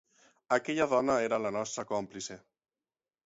Aquella dona era la nostra còmplice.